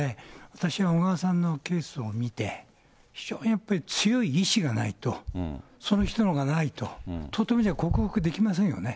私は小川さんのケースを見て、非常にやはり強い意志がないと、そのがないと、とてもじゃないけど克服できませんよね。